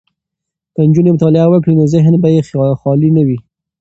که نجونې مطالعه وکړي نو ذهن به یې خالي نه وي.